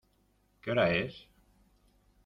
¿Qué hora es?